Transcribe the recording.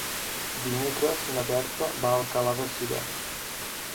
Dimecres na Berta va a Alcalà de Xivert.